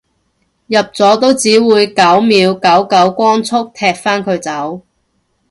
入咗都只會九秒九九光速踢返佢走